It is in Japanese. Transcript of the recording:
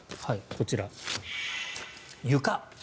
こちら、床。